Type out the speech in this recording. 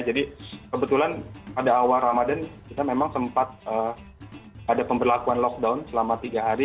jadi kebetulan pada awal ramadan kita memang sempat ada pemberlakuan lockdown selama tiga hari